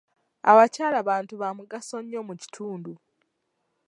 Abakyala bantu ba mugaso nnyo mu kitundu.